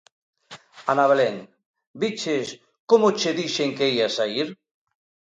Ana Belén: Viches, como che dixen que ías saír?